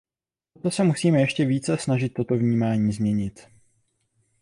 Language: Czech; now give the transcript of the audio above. Proto se musíme ještě více snažit toto vnímání změnit.